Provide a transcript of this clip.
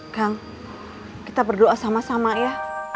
kang kita berdoa sama sama ya